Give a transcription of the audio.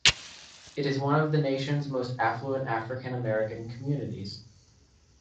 It is one of the nation's most affluent African-American communities.